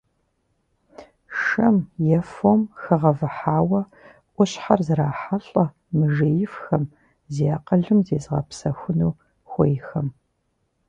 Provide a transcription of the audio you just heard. Шэм е фом хэгъэвыхьауэ ӏущхьэр зрахьэлӏэ мыжеифхэм, зи акъылым зезыгъэпсэхуну хуейхэм.